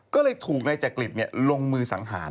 ก็เลยถูกนายแจกริดเนี่ยลงมือสังหาร